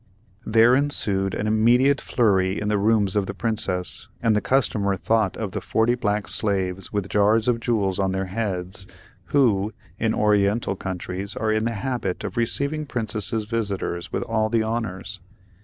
There ensued an immediate flurry in the rooms of the Princess, and the customer thought of the forty black slaves, with jars of jewels on their heads, who, in Oriental countries, are in the habit of receiving princesses' visitors with all the honors.